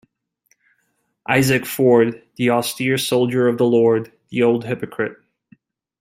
Isaac Ford, the austere soldier of the Lord, the old hypocrite.